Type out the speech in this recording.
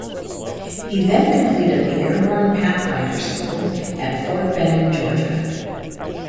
He then completed the Airborne Pathfinder School at Fort Benning, Georgia.